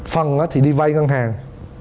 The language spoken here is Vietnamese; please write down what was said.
phần thì đi vay ngân hàng